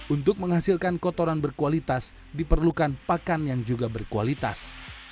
untuk menghasilkan kotoran berkualitas diperlukan pakan yang juga berkualitas